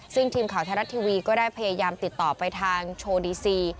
ซึ่งทีมข่าวไทยรัฐทีวีก็ได้พยายามติดต่อไปทางโชว์ดีซี